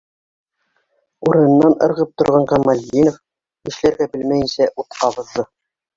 - Урынынан ырғып торған Камалетдинов, нишләргә белмәйенсә, ут ҡабыҙҙы.